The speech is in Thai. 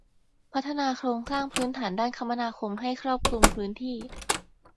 พัฒนาโครงสร้างพื้นฐานด้านคมนาคมให้ครอบคลุมพื้นที่